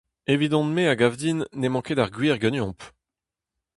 Evidon-me a gav din n'emañ ket ar gwir ganeomp.